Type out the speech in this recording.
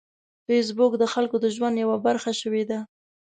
فېسبوک د خلکو د ژوند یوه برخه شوې ده